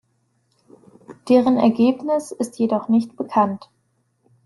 Deren Ergebnis ist jedoch nicht bekannt.